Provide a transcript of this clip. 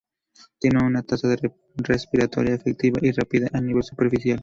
Tiene una tasa respiratoria efectiva y rápida a nivel superficial.